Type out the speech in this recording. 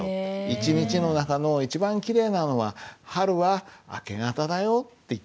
「一日の中の一番きれいなのは春は明け方だよ」って言ってあるんです。